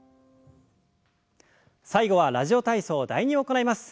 最後は「ラジオ体操第２」を行います。